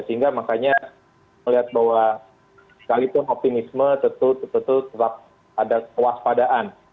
sehingga makanya melihat bahwa sekalipun optimisme tentu tetap ada kewaspadaan